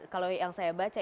kalau yang saya baca